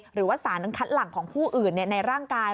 หรือว่าสารนั้นคัดหลังของผู้อื่นในร่างกาย